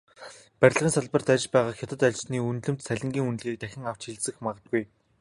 Барилгын салбарт ажиллаж байгаа хятад ажилчны үнэлэмж, цалингийн үнэлгээг дахин авч хэлэлцэж магадгүй.